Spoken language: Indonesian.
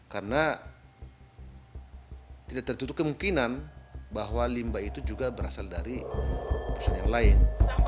karena tidak tertutup kemungkinan bahwa limbah itu juga berasal dari perusahaan yang lain